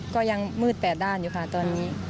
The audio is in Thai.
ก็ยังมืด๘ด้านอยู่ค่ะตอนนี้